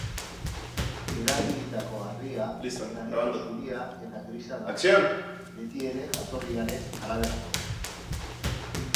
Erabilitako harria granito zuria eta grisa da, betiere jatorriaren araberakoa.